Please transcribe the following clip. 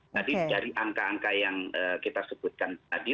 jadi dari angka angka yang kita sebutkan tadi